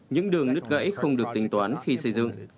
những đường nước cãi không được tính toán khi xây dựng